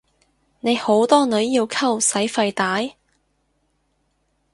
你好多女要溝使費大？